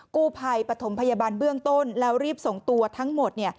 กู้ภัยปฐมพยาบาลเบื้องต้นแล้วรีบส่งตัวทั้งหมด